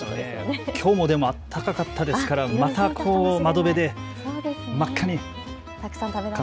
きょうも暖かかったですから窓辺で真っ赤に。